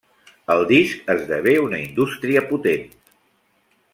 El disc esdevé una indústria potent.